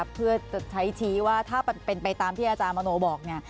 เพื่อจะใช้ชี้ว่าถ้าเป็นไปตามที่อาจารย์มโนบอก